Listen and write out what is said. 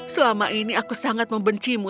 selama ini aku sangat membencimu